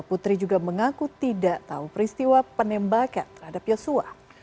putri juga mengaku tidak tahu peristiwa penembakan terhadap yosua